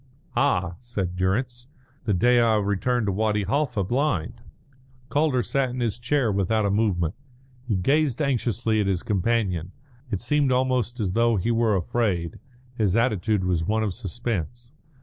"Ah," said Durrance, "the day I returned to Wadi Halfa blind." Calder sat in his chair without a movement. He gazed anxiously at his companion, it seemed almost as though he were afraid; his attitude was one of suspense.